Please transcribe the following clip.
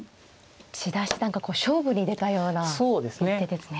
千田七段が勝負に出たような一手ですね。